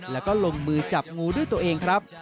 แล้วก็ลงมือจับงูด้วยตัวเองครับ